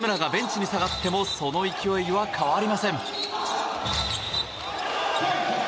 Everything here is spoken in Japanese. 八村がベンチに下がってもその勢いは変わりません。